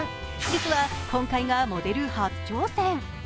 実は今回がモデル初挑戦。